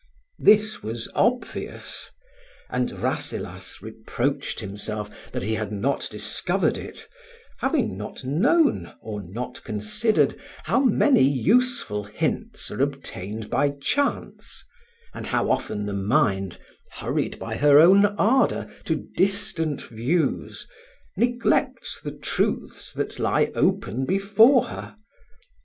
This was obvious; and Rasselas reproached himself that he had not discovered it—having not known, or not considered, how many useful hints are obtained by chance, and how often the mind, hurried by her own ardour to distant views, neglects the truths that lie open before her.